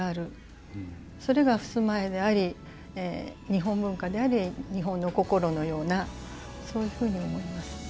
それが襖絵であり日本文化であり日本の心のようなそういうふうに思います。